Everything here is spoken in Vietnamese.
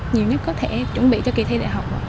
nhiều nhất có thể chuẩn bị cho kỳ thi đại học